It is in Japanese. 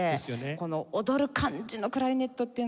この踊る感じのクラリネットっていうのがね